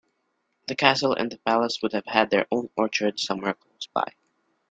The castle and the palace would have had their own orchard somewhere close by.